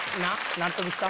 納得した？